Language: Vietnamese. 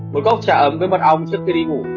một cốc trà ấm với mật ong trước khi đi ngủ